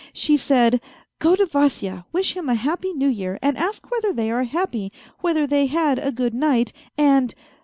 She said :' Go to Vasya, wish him a happy New Year, and ask whether they are happy, whether they had a good night, and